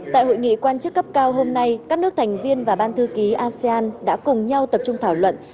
tại hội nghị quan chức cấp cao hôm nay các nước thành viên và ban thư ký asean đã cùng nhau tập trung thảo luận